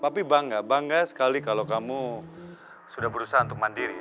tapi bangga bangga sekali kalau kamu sudah berusaha untuk mandiri